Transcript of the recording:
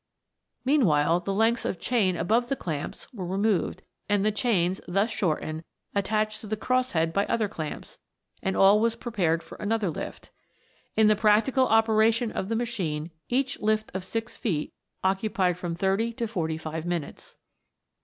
Meanwhile, the lengths of the chain above the clamps were re THE WONDERFUL LAMP. 335 moved, and the chains thus shortened attached to the cross head by other clamps, and all was prepared for another lift. In the practical operation of the machine each lift of six feet occupied from thirty to forty five minutes.